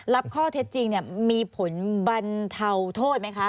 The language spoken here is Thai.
รับข้อเท็จจริงมีผลบรรเทาโทษไหมคะ